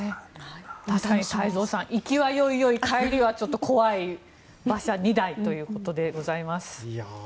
まさに太蔵さん行きはよいよい帰りはちょっと怖い馬車２台ということでございます。